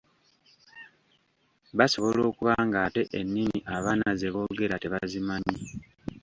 Basobola okuba ng'ate ennimi abaana ze boogera tebazimanyi.